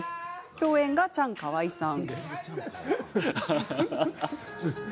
共演がチャンカワイさん。